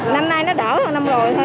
năm nay nó đỡ hơn năm rồi thôi